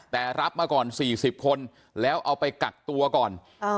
แต่รับมาก่อน๔๐คนแล้วเอาไปกักตัวก่อน